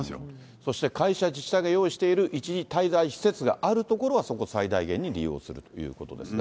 そして会社、自治体が用意している一時滞在施設があるところはそこを最大限に利用するということですが。